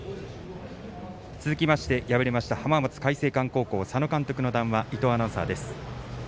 続きまして、敗れました浜松開誠館佐野監督の談話伊藤アナウンサーです。